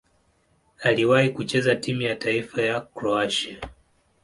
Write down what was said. Aliwahi kucheza timu ya taifa ya Kroatia.